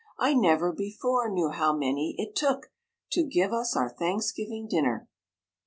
I never before knew how many it took To give us our Thanksgiving Dinner."